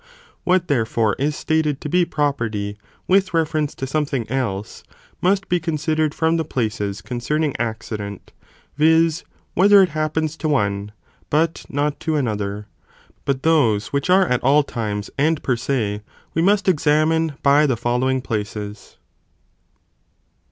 ae What therefore is stated to be property with be considered reference to something else, must be considered from the tovics from the places concerning accident, viz. whether ' it happens to one, but not to another, but those which are at all times, and per se, we must examine by the following places.